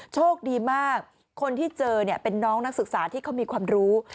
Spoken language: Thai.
โชคดีมากคนที่เจอเนี่ยเป็นน้องนักศึกษาที่เขามีความรู้